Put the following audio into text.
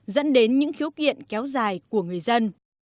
dẫn đến những khiếu kiện kéo dài của người dân